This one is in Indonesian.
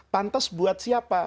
pantes buat siapa